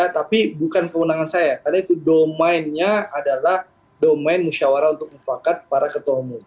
tapi bukan kewenangan saya karena itu domainnya adalah domain musyawarah untuk mufakat para ketua umum